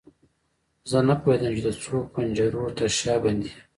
زه نه پوهیدم چې د څو پنجرو تر شا بندي یم.